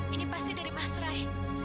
ini pasti dari mas rai